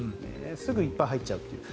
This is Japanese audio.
すぐにいっぱい入っちゃうっていう。